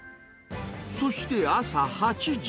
そして朝８時。